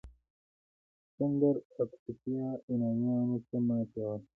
چندراګوپتا یونانیانو ته ماتې ورکړه.